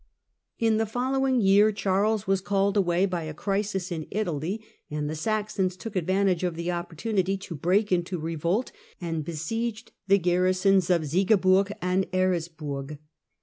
In the following year Charles was called away by crisis in Italy, and the Saxons took advantage of the opportunity to break into revolt, and besieged the garrisons of Sigiburg and Eresburg.